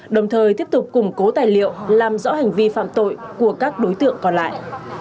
đồng thời tiếp tục củng cố tài liệu làm rõ hành vi phạm tội của các đối tượng còn lại